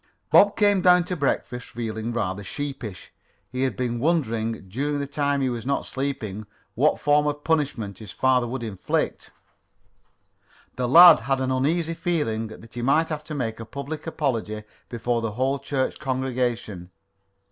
Bob came down to breakfast feeling rather sheepish. He had been wondering, during the time he was not sleeping, what form of punishment his father would inflict. The lad had an uneasy feeling that he might have to make a public apology before the whole church congregation.